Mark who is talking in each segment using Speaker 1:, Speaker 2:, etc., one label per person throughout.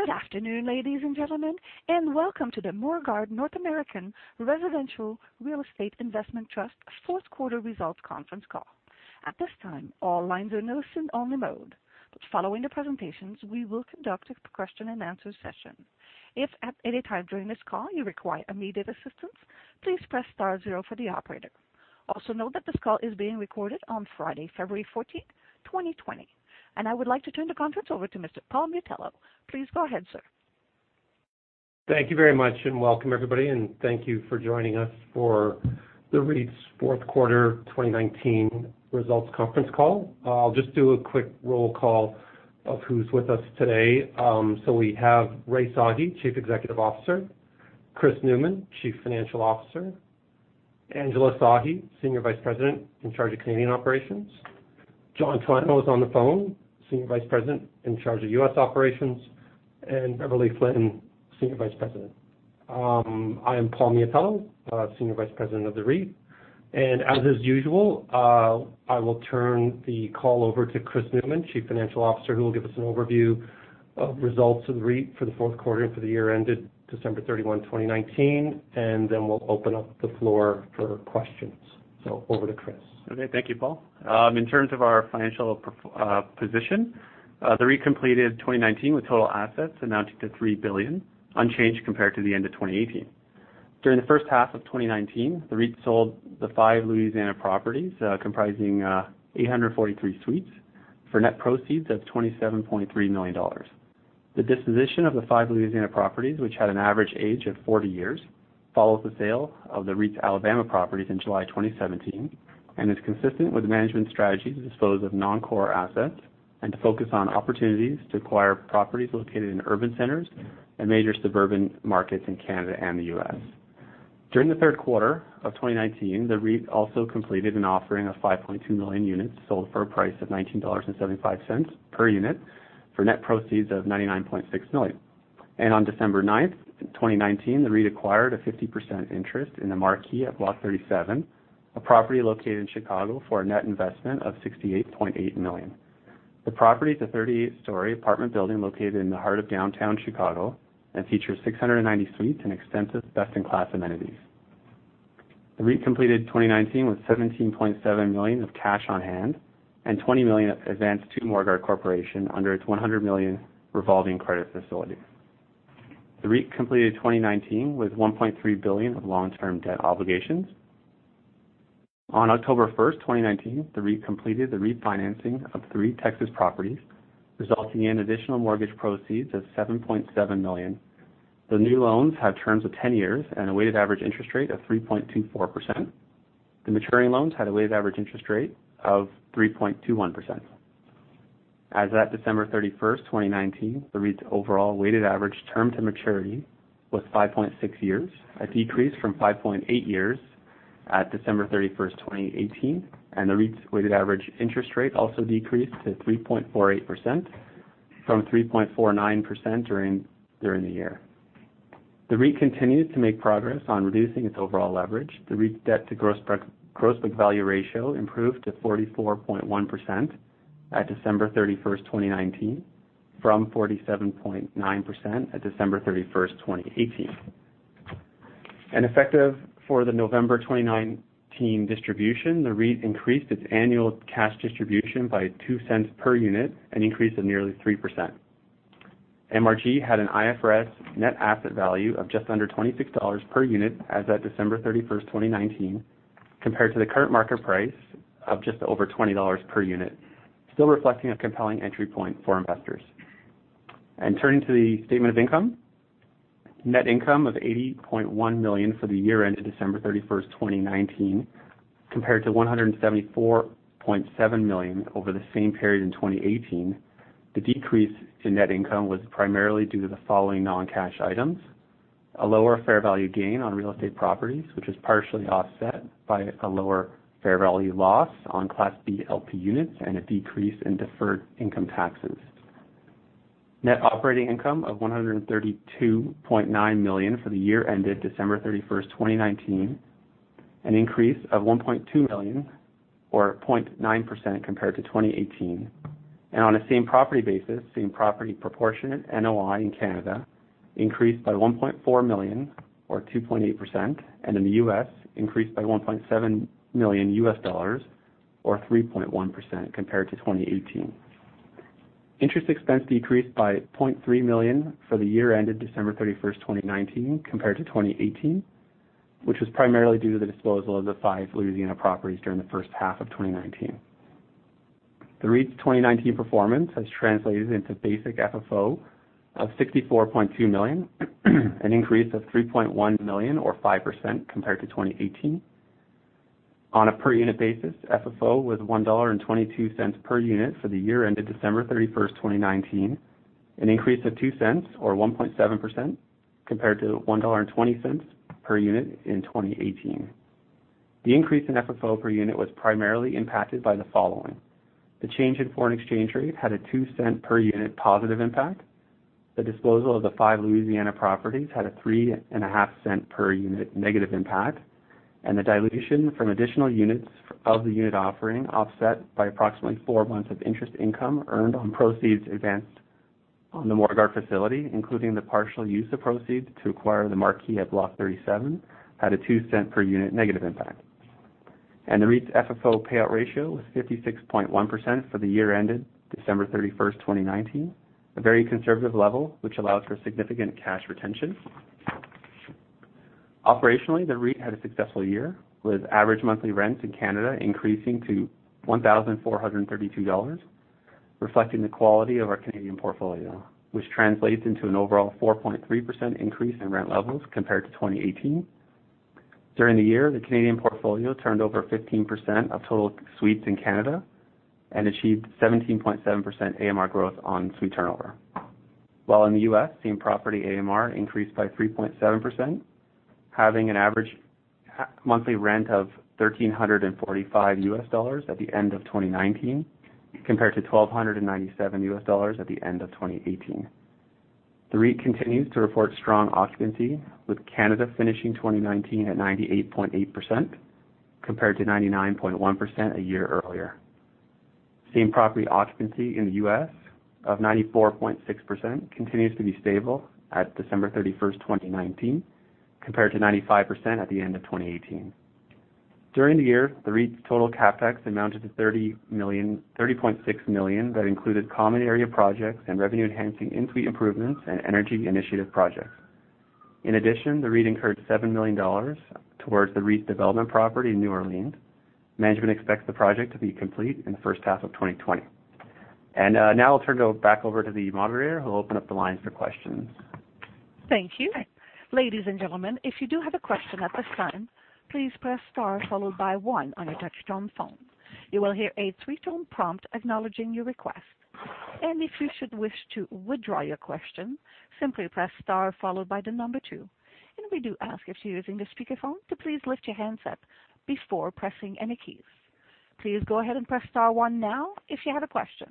Speaker 1: Good afternoon, ladies and gentlemen, and welcome to the Morguard North American Residential Real Estate Investment Trust fourth quarter results conference call. At this time, all lines are in listen only mode. Following the presentations, we will conduct a question and answer session. If at any time during this call you require immediate assistance, please press star zero for the operator. Also note that this call is being recorded on Friday, February 14th, 2020. I would like to turn the conference over to Mr. Paul Miatello. Please go ahead, sir.
Speaker 2: Thank you very much, welcome everybody, and thank you for joining us for the REIT's fourth quarter 2019 results conference call. I'll just do a quick roll call of who's with us today. We have Rai Sahi, Chief Executive Officer, Chris Newman, Chief Financial Officer, Angela Sahi, Senior Vice President in charge of Canadian operations. John Talano is on the phone, Senior Vice President in charge of U.S. operations, and Beverley Flynn, Senior Vice President. I am Paul Miatello, Senior Vice President of the REIT. As is usual, I will turn the call over to Chris Newman, Chief Financial Officer, who will give us an overview of results of the REIT for the fourth quarter and for the year ended December 31, 2019, then we'll open up the floor for questions. Over to Chris.
Speaker 3: Thank you, Paul. In terms of our financial position, the REIT completed 2019 with total assets amounting to 3 billion, unchanged compared to the end of 2018. During the first half of 2019, the REIT sold the five Louisiana properties, comprising 843 suites for net proceeds of 27.3 million dollars. The disposition of the five Louisiana properties, which had an average age of 40 years, follows the sale of the REIT's Alabama properties in July 2017 and is consistent with management strategies to dispose of non-core assets and to focus on opportunities to acquire properties located in urban centers and major suburban markets in Canada and the U.S. During the third quarter of 2019, the REIT also completed an offering of 5.2 million units sold for a price of 19.75 dollars per unit for net proceeds of 99.6 million. On December 9, 2019, the REIT acquired a 50% interest in The Marquee at Block 37, a property located in Chicago, for a net investment of 68.8 million. The property is a 38-story apartment building located in the heart of downtown Chicago and features 690 suites and extensive best-in-class amenities. The REIT completed 2019 with 17.7 million of cash on hand and 20 million advanced to Morguard Corporation under its 100 million revolving credit facility. The REIT completed 2019 with 1.3 billion of long-term debt obligations. On October 1st, 2019, the REIT completed the refinancing of three Texas properties, resulting in additional mortgage proceeds of 7.7 million. The new loans have terms of 10 years and a weighted average interest rate of 3.24%. The maturing loans had a weighted average interest rate of 3.21%. As at December 31st, 2019, the REIT's overall weighted average term to maturity was 5.6 years, a decrease from 5.8 years at December 31st, 2018, and the REIT's weighted average interest rate also decreased to 3.48% from 3.49% during the year. The REIT continues to make progress on reducing its overall leverage. The REIT's debt to gross book value ratio improved to 44.1% at December 31st, 2019, from 47.9% at December 31st, 2018. Effective for the November 2019 distribution, the REIT increased its annual cash distribution by 0.02 per unit, an increase of nearly 3%. MRG had an IFRS net asset value of just under 26 dollars per unit as at December 31st, 2019, compared to the current market price of just over 20 dollars per unit, still reflecting a compelling entry point for investors. Turning to the statement of income. Net income of 80.1 million for the year ended December 31st, 2019, compared to 174.7 million over the same period in 2018. The decrease in net income was primarily due to the following non-cash items. A lower fair value gain on real estate properties, which was partially offset by a lower fair value loss on Class B LP units and a decrease in deferred income taxes. Net operating income of 132.9 million for the year ended December 31st, 2019, an increase of 1.2 million or 0.9% compared to 2018. On a same-property basis, same-property proportionate NOI in Canada increased by 1.4 million or 2.8%, and in the U.S., increased by $1.7 million U.S. dollars or 3.1% compared to 2018. Interest expense decreased by 0.3 million for the year ended December 31st, 2019, compared to 2018, which was primarily due to the disposal of the five Louisiana properties during the first half of 2019. The REIT's 2019 performance has translated into basic FFO of 64.2 million, an increase of 3.1 million or 5% compared to 2018. On a per unit basis, FFO was 1.22 dollar per unit for the year ended December 31st, 2019, an increase of 0.02 or 1.7% compared to 1.20 dollar per unit in 2018. The increase in FFO per unit was primarily impacted by the following. The change in foreign exchange rate had a 0.02 per unit positive impact. The disposal of the five Louisiana properties had a 0.035 per unit negative impact. The dilution from additional units of the unit offering offset by approximately four months of interest income earned on proceeds advanced on the Morguard facility, including the partial use of proceeds to acquire the Marquee at Block 37, had a 0.02 per unit negative impact. The REIT's FFO payout ratio was 56.1% for the year ended December 31st, 2019, a very conservative level, which allows for significant cash retention. Operationally, the REIT had a successful year, with average monthly rents in Canada increasing to 1,432 dollars, reflecting the quality of our Canadian portfolio, which translates into an overall 4.3% increase in rent levels compared to 2018. During the year, the Canadian portfolio turned over 15% of total suites in Canada and achieved 17.7% AMR growth on suite turnover. While in the U.S., same property AMR increased by 3.7%, having an average monthly rent of $1,345 U.S. dollars at the end of 2019, compared to $1,297 U.S. dollars at the end of 2018. The REIT continues to report strong occupancy, with Canada finishing 2019 at 98.8%, compared to 99.1% a year earlier. Same property occupancy in the U.S. of 94.6% continues to be stable at December 31st, 2019, compared to 95% at the end of 2018. During the year, the REIT's total CapEx amounted to 30.6 million that included common area projects and revenue-enhancing in-suite improvements and energy initiative projects. In addition, the REIT incurred 7 million dollars towards the REIT's development property in New Orleans. Management expects the project to be complete in the first half of 2020. Now I'll turn it back over to the moderator, who will open up the lines for questions.
Speaker 1: Thank you. Ladies and gentlemen, if you do have a question at this time, please press star followed by one on your touch-tone phone. You will hear a three-tone prompt acknowledging your request. If you should wish to withdraw your question, simply press star followed by the number two. We do ask, if you're using a speakerphone, to please lift your handset before pressing any keys. Please go ahead and press star one now if you have a question.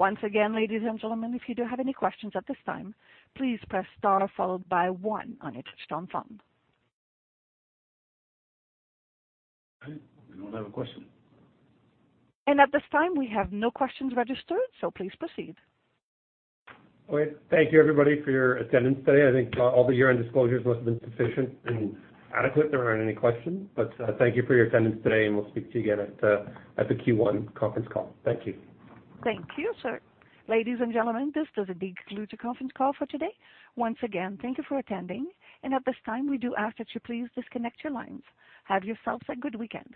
Speaker 1: Once again, ladies and gentlemen, if you do have any questions at this time, please press star followed by one on your touch-tone phone.
Speaker 2: Okay. We don't have a question.
Speaker 1: At this time, we have no questions registered, so please proceed.
Speaker 3: Okay. Thank you everybody for your attendance today. I think all the year-end disclosures must have been sufficient and adequate if there aren't any questions. Thank you for your attendance today, and we'll speak to you again at the Q1 conference call. Thank you.
Speaker 1: Thank you, sir. Ladies and gentlemen, this does indeed conclude the conference call for today. Once again, thank you for attending, and at this time, we do ask that you please disconnect your lines. Have yourselves a good weekend.